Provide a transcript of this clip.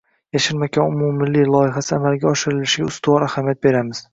“Yashil makon” umummilliy loyihasi amalga oshirilishiga ustuvor ahamiyat beramiz.